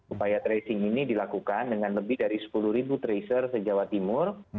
upaya tracing ini dilakukan dengan lebih dari sepuluh tracer sejauh timur